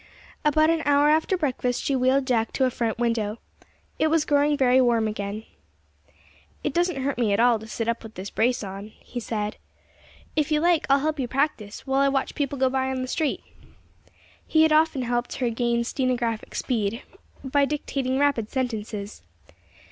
About an hour after breakfast she wheeled Jack to a front window. It was growing very warm again. "It doesn't hurt me at all to sit up with this brace on," he said. "If you like, I'll help you practice, while I watch people go by on the street." He had often helped her gain stenographic speed by dictating rapid sentences.